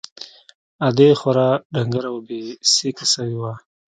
ادې خورا ډنگره او بې سېکه سوې وه.